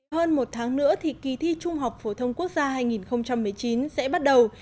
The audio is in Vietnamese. hơn một tháng nữa thì kỳ thi trung học phổ thông quốc gia hai nghìn một mươi chín sẽ bắt đầu